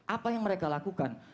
apa yang mereka lakukan